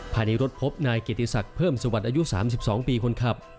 ภายในรถพบนายเกียรติศักดิ์เพิ่มสวัสดิ์อายุ๓๒ปีคนขับ